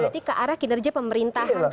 berarti ke arah kinerja pemerintahan kan ya